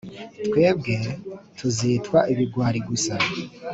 twebwe tuzitwa ibigwari gusa